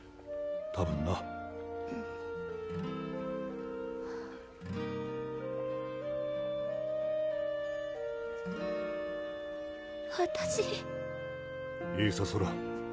たぶんなわたしいいさソラ